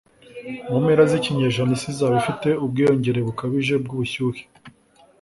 Mu mpera zikinyejana isi izaba ifite ubwiyongere bukabije bwubushyuhe